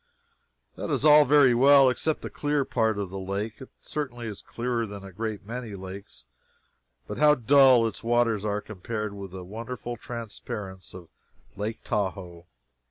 That is all very well, except the "clear" part of the lake. It certainly is clearer than a great many lakes, but how dull its waters are compared with the wonderful transparence of Lake Tahoe!